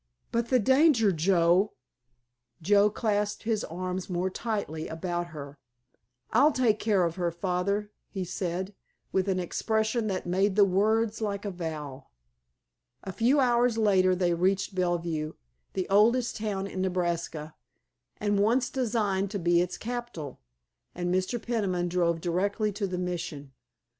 "But the danger, Joe——" Joe clasped his arms more tightly about her. "I'll take care of her, Father," he said, with an expression that made the words like a vow. A few hours later they reached Bellevue, the oldest town in Nebraska, and once designed to be its capital, and Mr. Peniman drove directly to the Mission.